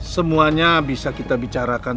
semuanya bisa kita bicarakan